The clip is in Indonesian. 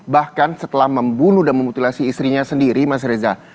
bahkan setelah membunuh dan memutilasi istrinya sendiri mas reza